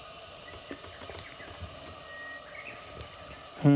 うん。